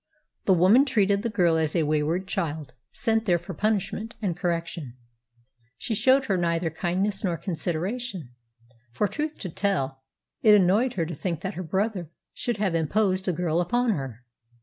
The woman treated the girl as a wayward child sent there for punishment and correction. She showed her neither kindness nor consideration; for, truth to tell, it annoyed her to think that her brother should have imposed the girl upon her.